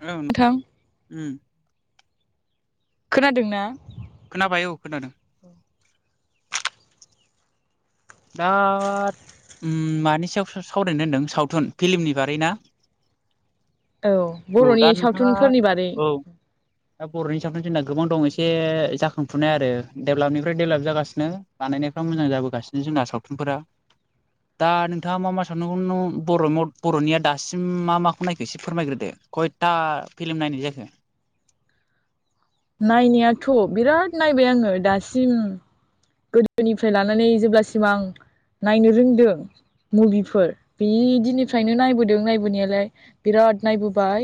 उम। नोंथां खोनादोंना? खोनाबाय औ खोनादों। दा। उम मानि सायाव सावरायनो होनदों सावथुन फिल्मनि बारैना? [inaudible] औ बर'नि दा नोंथाङा सावथुनफोरनि बादै औ दा बर'नि सावथुन जोंना गोबां दं एसे जाखांफुनाय आरो डेभलापनिफ्राय डेभलाप जाबोगासिनो बानायनायफ्रा मोजां जाबोगासिनो। जोंना सावथुनफोरा। दा नोंथाङा मा मा सावथुनखौ नु बर बर'निया दासिम मा माखौ नायखो एसे फोरमायग्रोदो। कयथा फिल्म नायनाय जाखो? नायनायाथ' बिराद नायबाय आङो दासिम। गोदोनिफ्राय लानानै जेब्लासिम आं नायनो रोंदो मुभिफोर बि दिननिफ्रायनो नायबोदों नायबोनायालाय बिराद राद नायबोबाय।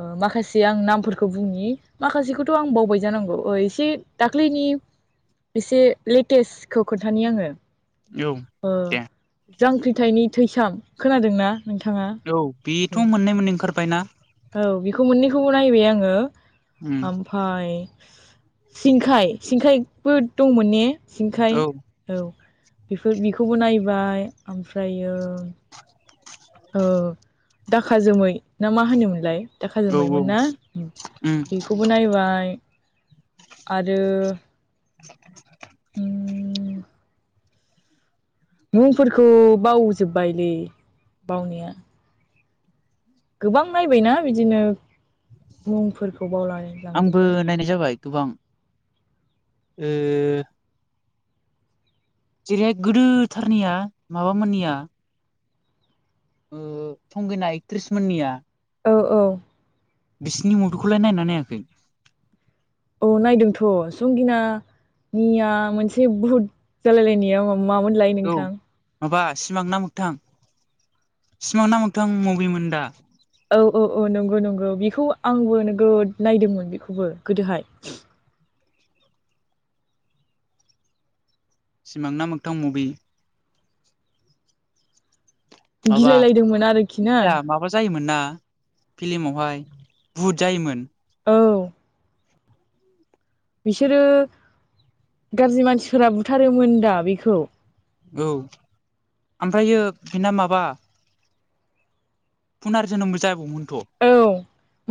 ओ माखासे आं नामफोरखौ बुंनि माखासेखौथ' आं बावबाय जानांगौ ओ एसे दाख्लैनि एसे लेटेस्टखौ खोन्थानि आङो औ ओ जांख्रिथायनि थैसाम। खोनादोंना नोंथाङा? दे औ औ बेथ' मोननै मोननै ओंखारबायना औ बेखौ मोननै खौबो नायबाय आङो उम ओमफाय सिंखाय। सिंखाय बो दंमोन ने सिंखाय? औ औ बेफोर बेखौबो नायबाय ओमफ्रायो ओ दाखा जोमै ना मा होनोमोनलाय? दाखा औ जोमै औ मोनना उम बेखौबो नायबाय। आरो उम मुंफोरखौ बावजोबबायलै बावनाया। गोबां नायबायना बिदिनो मुंफोरखौ बावलाय आंबो नायनाय जाबाय गोबां। ओ जेरैहाय गोदोथारनिया माबामोननिया संगिना एकट्रिस मोननिया। औ औ। बिसिनि मुभिखौलाय नायना नायाखै? औ नायदोंथ' संगिनानिया मोनसे बुहुद जालायलायनाया मा मामोनलाय औ नोंथां? माबा सिमां ना मोगथां। सिमां ना मोखथां मुभिमोन दा? औ औ औ नंगौ नंगौ बेखौ आंबो नोगोद नायदोंमोन बेखौबो गोदोहाय। सिमां ना मोगथां मुभि। माबा गिलायलायदोंमोन आरोखि ना [unintelligible] माबा जायोमोन ना? फिल्मावहाय बुहुत जायोमोन। औ बिसोरो गाज्रि मानसिफोरा बुथारोमोन दा बेखौ। औ ओमफ्रायो बिना माबा फुनार जोनोमबो जाबावोमोन। औ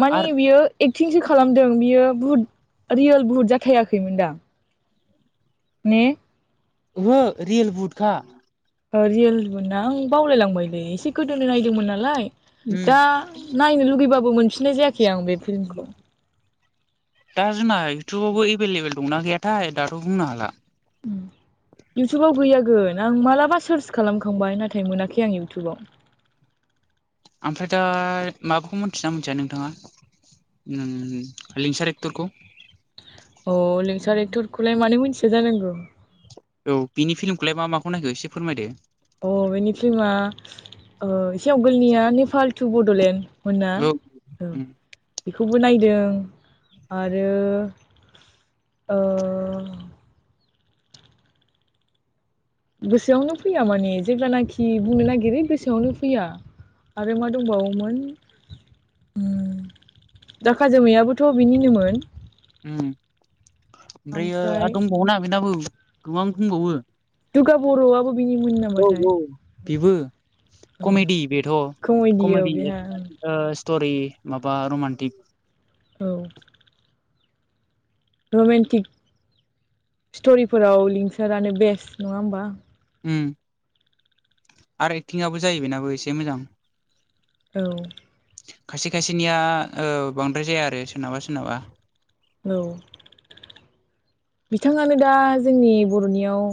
माने बियो एक्टिंसो खालामदों बियो बुहुत रियेल बुहुत जाथायाखैमोन दां। ने? ओहो रियेल बुहुतखा। ओ रियेलमोना आं बावलायलांबायलै एसे गोदोनो नायदोंमोन नालाय। उम दा नायनो लुगैबाबो मोनफिननाय जायाखै आं बे फिल्मखौ। दा जोंना इउथुबावबो एभेलेबेल दंना गैयाथाय दाथ' बुंनो हाला। इउटुबाव गैयागोन। आं मालाबा सार्च खालामखांबाय नाथाय मोनाखै आं इउटुबाव। ओमफ्राय दा माबाखौ मोनथिना मोनथिया नोंथाङा? उम लिंसार एक्टरखौ अ लिंसार एक्टरखौलाय मानो मिथिया जानांगौ? औ बिनि फिल्मखौलाय मा माखौ नायखो एसे फोरमायदो। अ बेनि फिल्मा ओ एसे आवगायनिया नेपाल टु बड'लेण्ड। मोना औ ओ उम बेखौबो नायदों आरो ओ गोसोआवनो फैया माने जेब्लानाखि बुंनो नागिरो गोसोआवनो फैया। आरो मा दंबावोमोन उम दाखा जोमैयाबोथ' बिनिनोमोन। उम ओमफ्रायो ओमफ्राय आरो दंबावोन बेनाबो गोबां दंबावो। दुगा बर'आबो बिनिमोन औ नामाथाय। औ बेबो औ कमेडि बेथ' कमेडियाव कमेडि ओ बेहा स टरि माबा रमान्टिक। औ। रमेन्टिक स्ट'रिफोराव लिंसारानो बेस्ट नङा होमबा? उम। आरो एक्टिंआबो जायो बेनाबो एसे मोजां। औ। खायसे खायसेनिया ओ बांद्राय जाया आरो सोरनाबा सोरनाबा। औ। बिथाङानो दा जोंनि बर'नियाव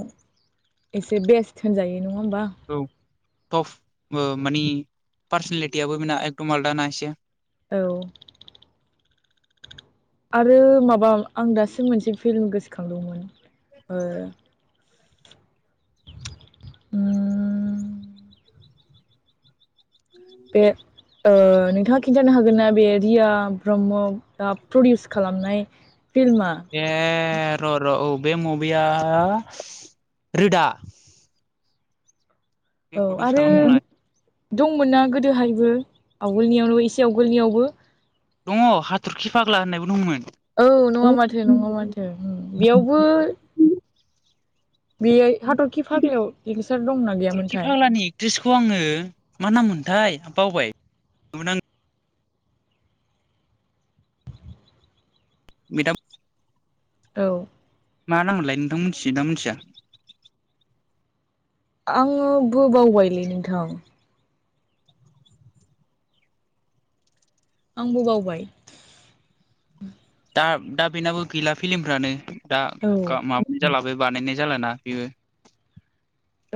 एसे बेस्ट होनजायो। नङा होमबा? टफ ओ मानानि पार्सनेलिटियाबो बे एखदम आलदा ना एसे औ। आरो माबा आं दासिम मोनसे फिल्म गोसोखांदोंमोन ओ उम बे [inaudible] ओ नोंथाङा खिन्थानो हागोन ना बे रिया ब्रह्मआ ओ प्रडिउस खालामनाय फिल्मा ए र' र' औ बे मुभिया रोदा। औ बे प्रडिउस आरो खालाम मावनाय दंमोन ना गोदोहायबो आवगोलनियावनो एसे आवगोलनियावबो। दङ हाथरखि फाग्ला होननायबो दंमोन। औ नङा माथो नङा माथो उम बेयावबो बे हाथरखि फाग्लायाव देंसार दंना हाथरखि गैयामोनथाय फागलानि एक्ट्रेसखौ आङो मा नाम मोन थाय बावबाय नुनां मेदाम औ। मा नाम मोनलाय नोंथां मिथियो ना मिथिया? आङो ब बावबायलै नोंथां। आंबो बावबाय। दा दा बेनाबो गैला फिलिमफ्रानो दा औ ग माबानि जाला। बो बानायनाय जालाना बेबो।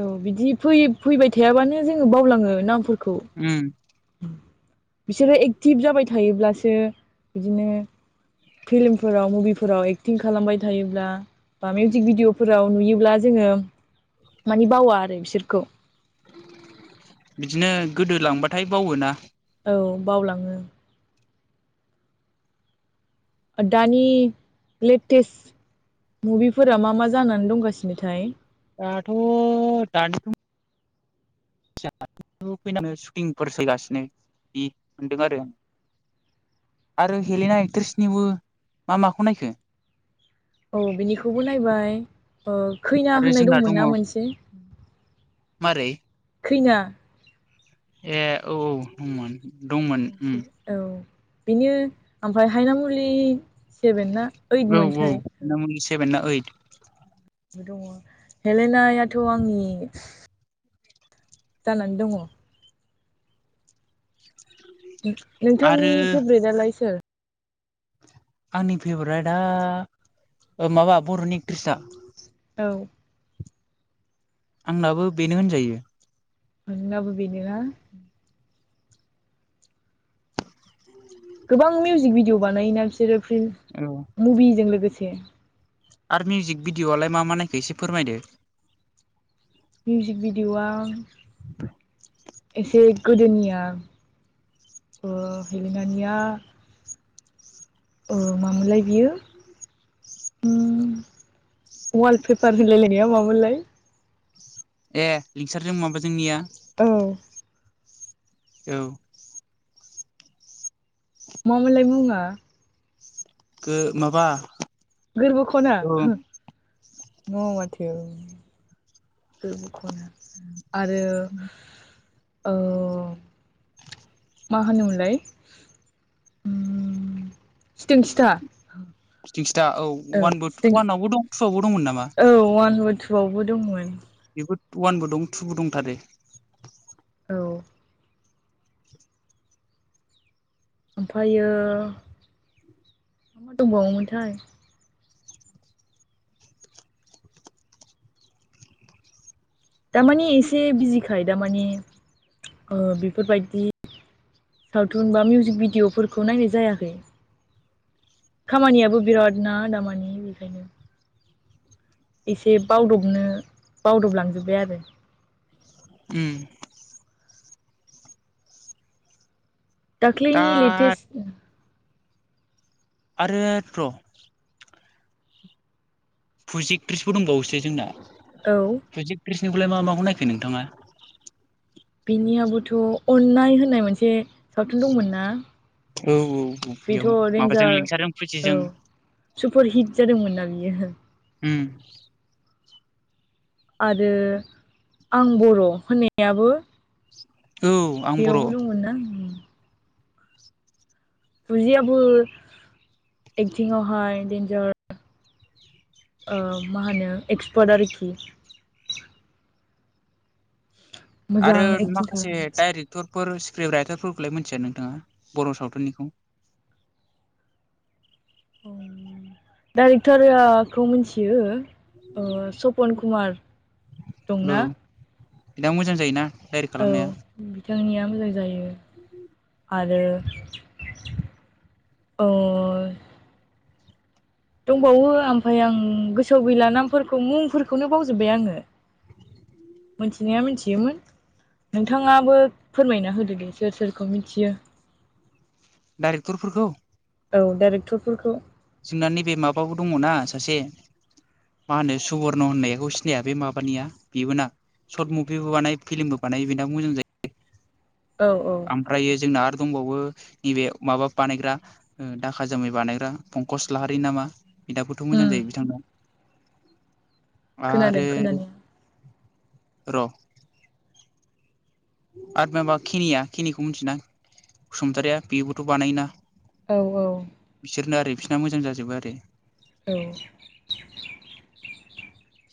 औ बिदि फै फैबाय थायाबानो जोङो बावलाङो नामफोर उम। बिसोरो एक्टिभ जाबाय थायोब्लासो बिदिनो फिल्मफोराव मुभिफोराव एक्टिं खालामबाय थायोब्ला बा मिउजिक भिडिअफोराव नुयोब्ला जोङो मानि बावा आरो बिसोरखौ। बिदिनो गोदो लांबाथाय बावो ना। औ बावलाङो। दानि लेटेस्ट मुभिफोरा मा मा जानानै दंगासिनोथाय दाथ' दानि फैनानै सुटिंफोर सोलिगासिनो बि मोनदों आरो आरो हेलेना एक्ट्र्रिसनिबो मा माखौ नायखो औ बिनिखौबो नायबाय ओ खैना आरो होननाय जोंना दङ दंमोनना मोनसे मारै खैना ए औ दंमोन दंमोन उम औ बेनो ओमफ्राय हायनामुलि सेभेन ना ओइद औ मोनथाय औ ना मोन सेभेन ना ओइट दङ हेलेनायाथ' आंनि जानानै दङ। नोंथांनि आरो फेभ्रेटलाय सोर? आंनि फेभरेटआ माबा बर'नि एक्ट्रिसा? औ। आंनाबो बेनो होनजायो। नोंनाबो बेनो ना? गोबां मिउजिक भिडिअ बानायोना बिसोरो फ्रि मुभिजों लोगोसे आर मिउजिक भिडिअ'आलाय मा मा नायखो एसे फोरमायदो? मिउजिक भिडिअआ फ्राय एसे गोदोनिया ओ हेलेनाानिया औ मा मोनलाय बियो? ओम वालपेपार होलायलायनाया मामोनलाय ए लिंसारजों मङाबा जोंनिया औ औ। मा मोनलाय मुङा? गो माबा गोरबो खना औ ओ न' माथो गोरबो खना आरो ओ मा होनोमलाय? बिथिं सिथा औ वानबो वानावबो दं टुआवबो दंमोन नामा? गोआवबो दंमोन। होद वानबो दं टुबो दंथारो। औ। ओमफ्रायो मा मा दंबावोमोनथाय? दारमाने एसे बिजिखाय दामानि बेफोरबायदि सावथुन बा मिउजिक भिडिअफोरखौ नायनाय जायाखै। खामानियाबो बिराद ना दामानि बेखायनो। एसे बावदबनो बावदबलांजोब्बाय आरो। उम दा दाख्लैनि लेटेस्ट आरो प्र' फुजि एट्रिसबो दंबावोसो जोंना औ फुजि एट्रिस मा माखौ नायखो नोंथाङा? बिनियाबोथ' अन्नाय होननाय मोनसे सावथुन दंमोन ना? औ औ। औ बेथ' बेयाव माबाजों देन्जार लिंसारजों औ फुजिजों सुपार हिट जादोंमोनना बियो। उम। आरो आं बर' होननायाबो औ आं बर' बेयावबो दं ना उम फुजियाबो एक्टिंआवहाय डेन्जार। ओ मा होनो एक्सपार्ट आरोखि। मोजां आरो एक्टिं माखासे खालामो डायरेक्टर फोर स्क्रिप्ट राइटारफोरखौलाय मिथिया नोंथाङा बर' सावथुननिखौ? औ डाइरेक्टरखौ मिथियो। सपन कुमार औ दंना? मोजां जायोना डाइरेक्ट खालामनाया? जोंनिया मोजां जायो। आरो अ। दंबावो ओमफ्राय आं गोसोआव गैला नामफोरखौ मुंफोरखौनो बावजोबबाय आङो। मिथिनाया मिथियोमोन। नोंथाङाबो फोरमायना होदो दे सोर सोरखौ मिथियो। डाइरेक्टरफोरखौ? औ डाइरेक्टरफोरखौ। नोंना नैबे माबाो दङ ना सासे। मा होनो सुवरर्न होननायखौ सिनाया बे माबानिया बेबो ना। सर्ट मुभिबो बानायो फिल्मबो बानायो बेनाबो मोजां जायो। औ औ ओमफ्रायो जोंना दंबावो नैबे माबा बानायग्रा दाखा जामै बानायग्रा फंकस लाहारि नामा? बिनाबोथ' उम मोजां जायो। बिथांनाव खोनादों आरो खोनानाया र' आरो माबा खिनिया खिनिखौ मिथियोना बसुमतारिया बेबोथ' बानायोना। औ औ बिसोरनो आरो बिसोरना मोजां जाजोबो आरो। औ।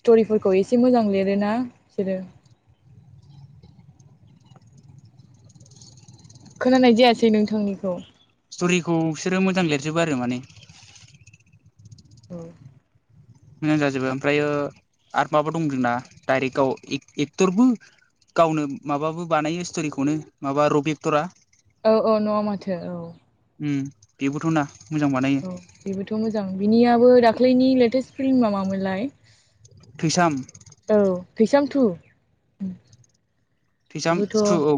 स्ट'रिफोरखौ एसे मोजां लिरोना बिसोरो। खोनानाय जायासै नोंथांनिखौ। स्ट'रिखौ बिसोरो मोजां लिरजोबो आरो माने। औ। मोजां जाजोबो ओमफ्रायो आर माबा दं जोंना डाइरेक्टआव एक्टरबो गावनो माबाबो बानायो स्ट'रिखौनो माबा रबि एक्टरा औ औ न'आव माथो औ। बेबोथ' ना। मोजां बानायो औ बेबोथ' मोजां बिनियाबो दाख्लैनि लेटेस्ट फिल्मा मामोनलाय? थैसाम। औ थैसाम थु। थैसाम बेबोथ' थु औ।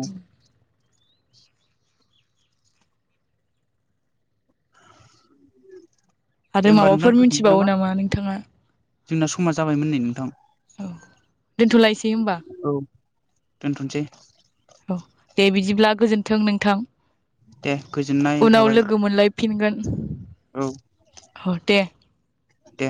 दे आरो होमबा नोंथां माबाफोर दोनथ'नोसै मिथिबावो नामा नोंथाङा? जोंना समा जाबायमोन नै नोंथां। दोन्थ'लायसै होनोमबा। दोन्थ'नोसै। औ दे बिदिब्ला गोजोन्थों नोंथां। दे गोजोननाय थाबाय। हरफिन औ हरगोन दे। दे।